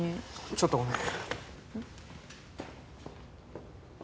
ちょっとごめん。